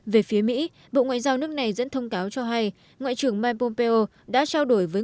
về phía mỹ bộ ngoại giao nước này dẫn thông cáo cho hay ngoại trưởng mike pompeo đã trao đổi với